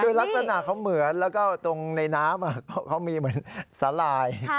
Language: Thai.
คือลักษณะเขาเหมือนแล้วก็ตรงในน้ำเขามีเหมือนสาหร่าย